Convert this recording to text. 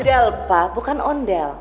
model pak bukan ondel